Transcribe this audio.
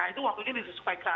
nah itu waktu itu disesuaikan